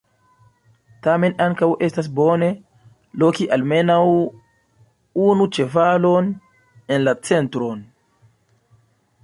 Tamen ankaŭ estas bone loki almenaŭ unu ĉevalon en la centron.